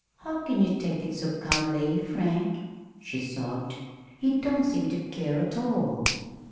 "How can you take it so calmly, Frank," she sobbed. "You don't seem to care at all!"